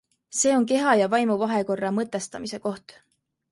See on keha ja vaimu vahekorra mõtestamise koht.